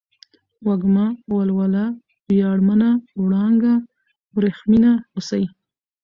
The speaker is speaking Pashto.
وږمه ، ولوله ، وياړمنه ، وړانگه ، ورېښمينه ، هوسۍ